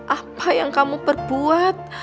apa yang kamu perbuat